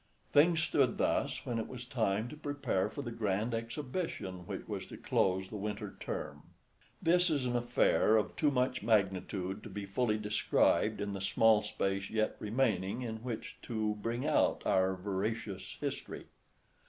Things stood thus when it was time to prepare for the grand exhibition which was to close the winter's term. This is an affair of too much magnitude to be fully described in the small space yet remaining in which to bring out our veracious history.